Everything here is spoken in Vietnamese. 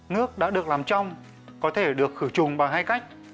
nước đã được làm trong có thể được khử trùng bằng hai cách